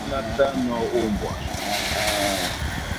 Mɔ́ ndé ná tánɔ̄ ná ombwa.